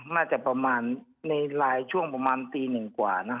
น่าจะประมาณในไลน์ช่วงประมาณตีหนึ่งกว่านะ